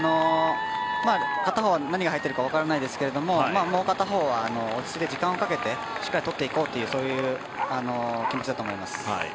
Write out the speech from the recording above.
片方が何が入っているのか分からないですけどももう片方は落ち着いて時間をかけてしっかり取っていこうというそういう気持ちだと思います。